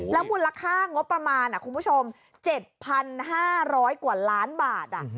มูลค่างบประมาณคุณผู้ชม๗๕๐๐กว่าล้านบาท